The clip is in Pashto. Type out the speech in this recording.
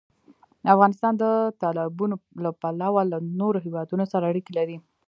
افغانستان د تالابونه له پلوه له نورو هېوادونو سره اړیکې لري.